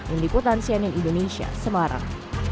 ini kutansianin indonesia semarang